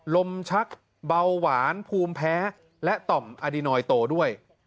มชักเบาหวานภูมิแพ้และต่อมอดีนอยโตด้วย